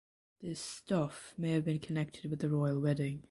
This "stuff" may have been connected with the royal wedding.